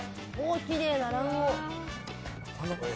きれいな卵黄！